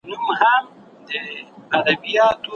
منکوحه ولي خپله اصلي کورنۍ او دوستان پرېږدي؟